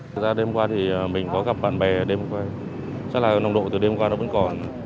thực ra đêm qua thì mình có gặp bạn bè đêm qua rất là nồng độ từ đêm qua nó vẫn còn